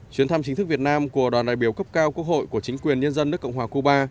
chuyến thăm chính thức việt nam của đoàn đại biểu cấp cao quốc hội của chính quyền nhân dân nước cộng hòa cuba